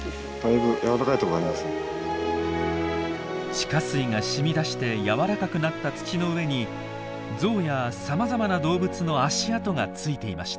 地下水がしみ出して柔らかくなった土の上にゾウやさまざまな動物の足跡がついていました。